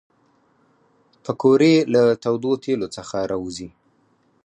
پکورې له تودو تیلو څخه راوزي